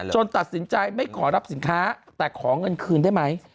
ตัดสินใจไม่ขอรับสินค้าแต่ขอเงินคืนได้ไหม